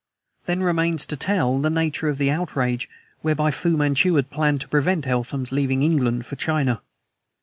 Then remains to tell the nature of the outrage whereby Fu Manchu had planned to prevent Eltham's leaving England for China.